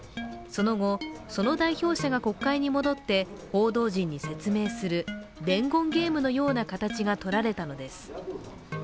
その後、その代表者が国会に戻って報道陣に説明する伝言ゲームのような形がとられたのです。